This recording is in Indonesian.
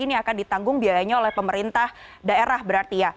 ini akan ditanggung biayanya oleh pemerintah daerah berarti ya